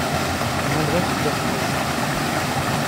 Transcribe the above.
Jondrette pleure presque